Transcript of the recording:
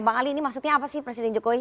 bang ali ini maksudnya apa sih presiden jokowi